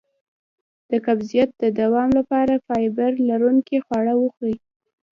د قبضیت د دوام لپاره فایبر لرونکي خواړه وخورئ